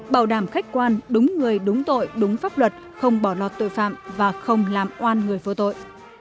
bảo đảm khách quan đúng người đúng tội đúng pháp luật không bỏ lọt tội phạm và không làm oan người vô tội